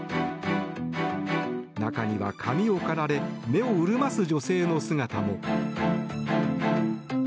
中には髪を刈られ目を潤ます女性の姿も。